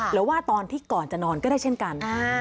หรือว่าตอนที่ก่อนจะนอนก็ได้เช่นกัน